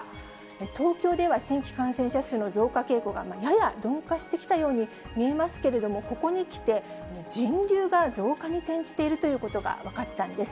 東京では、新規感染者数の増加傾向がやや鈍化してきたように見えますけれども、ここにきて、人流が増加に転じているということが分かったんです。